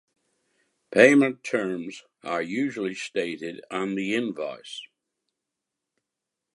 Payment terms are usually stated on the invoice.